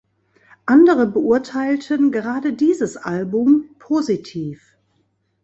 Andere beurteilten gerade dieses Album positiv.